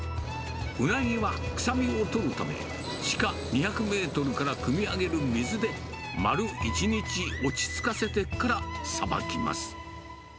ウナギは臭みを取るため、地下２００メートルからくみ上げる水で、丸１日落ち着かせてからさばきます。